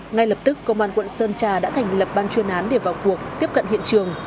ngay lập tức công an quận sơn trà đã thành lập ban chuyên án để vào cuộc tiếp cận hiện trường